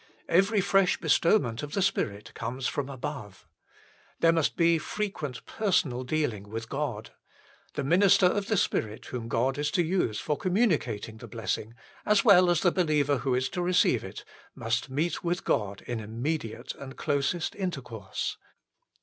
Every fresh bestowment of the Spirit comes from above. There must be frequent personal dealing with God. The minister of the Spirit whom God is to use for communicating the blessing, as well as the believer who is to receive it, must meet with God in immediate and closest intercourse.